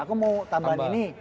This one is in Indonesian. aku mau tambahan ini